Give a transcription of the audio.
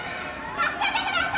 助けてください！